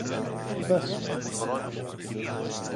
Δες!